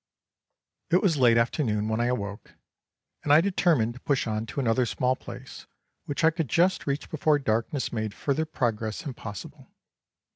It was late afternoon when I awoke, and I determined to push on to another small place, which I could just reach before darkness made further progress impossible.